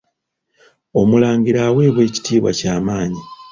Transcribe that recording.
Omulangira aweebwa ekitiibwa kyamaanyi.